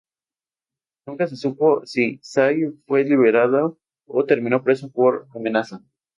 Nunca se supo si Sy fue liberado o terminó preso por amenaza.